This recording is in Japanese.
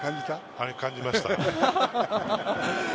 はい、感じました。